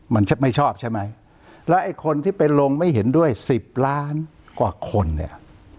มันไม่ชอบใช่ไหมแล้วไอ้คนที่เป็นลงไม่เห็นด้วยสิบล้านกว่าคนเนี่ย